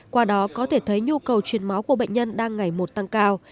qua đó có thể thấy nhu cầu chuyển máu của bệnh nhân đang ngày một tăng cao